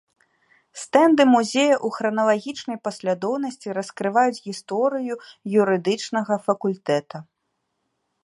Стэнды музея ў храналагічнай паслядоўнасці раскрываюць гісторыю юрыдычнага факультэта.